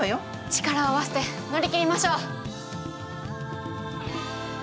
力を合わせて乗り切りましょう！